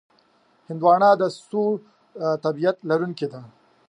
هندوانه د سوړ طبیعت لرونکې ده.